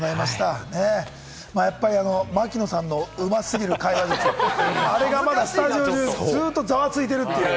やっぱり槙野さんのうま過ぎる会話術、あれがまだスタジオ中、ずっとざわついているという。